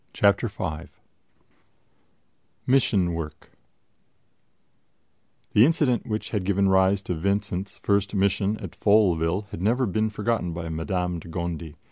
Chapter 5 MISSION WORK THE incident which had given rise to Vincent's first mission at Folleville had never been forgotten by Madame de Gondi.